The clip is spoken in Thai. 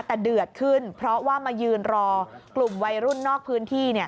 แต่เดือดขึ้นเพราะว่ามายืนรอกลุ่มวัยรุ่นนอกพื้นที่เนี่ย